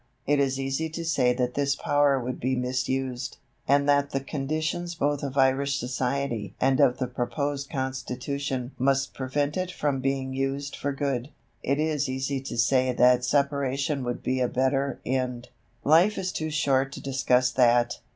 It is easy to say that this power would be misused, and that the conditions both of Irish society and of the proposed Constitution must prevent it from being used for good. It is easy to say that separation would be a better end. Life is too short to discuss that.